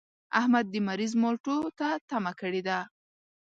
احمد د مريض مالټو ته تمه کړې ده.